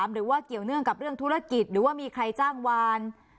หรือว่าเกี่ยวเนื่องกับเรื่องธุรกิจหรือว่ามีใครจ้างวาน